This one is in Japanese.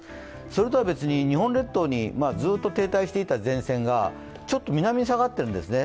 それとは別に日本列島にずっと停滞していた前線がちょっと南に下がってるんですね。